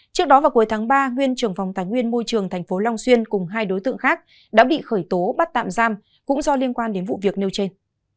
trước đó vào cuối tháng ba nguyên trưởng phòng tài nguyên môi trường tp long xuyên cùng hai đối tượng khác đã bị khởi tố bắt tạm giam cũng do liên quan đến vụ việc nêu trên